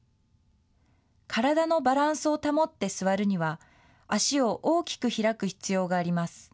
体のバランスを保って座るには、足を大きく開く必要があります。